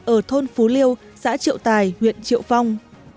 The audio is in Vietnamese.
ở thôn phú liêu xã triệu tài huyện triệu phong